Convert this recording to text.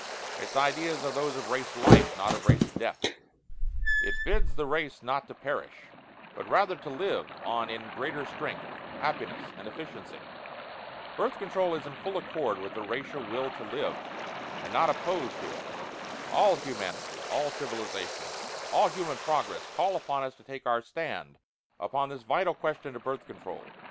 Its ideas are those of Race Life, not of Race Death. It bids the race not to perish, but rather to live on in greater strength, happiness, and efficiency. Birth Control is in full accord with the Racial Will to Live, and not opposed to it. All humanity, all civilization, all human progress, call upon us to take our stand upon this vital question of Birth Control.